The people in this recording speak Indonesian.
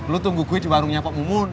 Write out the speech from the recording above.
lo tunggu gue di warungnya pak mumun